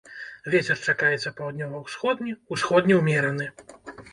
Вецер чакаецца паўднёва-ўсходні, усходні ўмераны.